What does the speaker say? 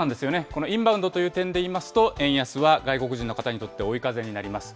このインバウンドという点で言いますと、円安は外国人の方にとって追い風になります。